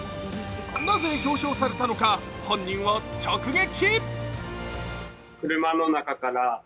なぜ表彰されたのか、本人を直撃。